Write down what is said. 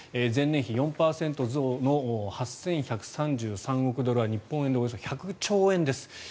前年比４％増の８１３３億ドルは日本円でおよそ１００兆円です。